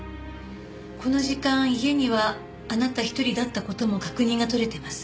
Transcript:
この時間家にはあなた一人だった事も確認が取れてます。